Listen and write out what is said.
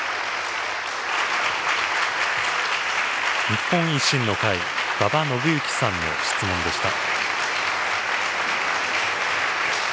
日本維新の会、馬場伸幸さんの質問でした。